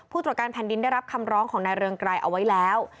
ตรวจการแผ่นดินได้รับคำร้องของนายเรืองไกรเอาไว้แล้ว